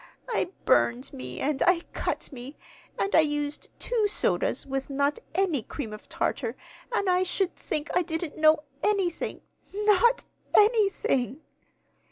I burned me, and I cut me, and I used two sodas with not any cream of tartar, and I should think I didn't know anything, not anything!"